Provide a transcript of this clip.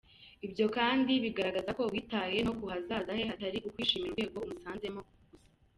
Ibyo kandi bigaragaza ko witaye no ku hazaza he atari ukwishimira urwego umusanzeho usa.